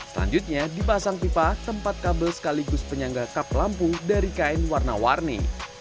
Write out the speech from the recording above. selanjutnya dipasang pipa tempat kabel sekaligus penyangga kap lampu dari kain warna warni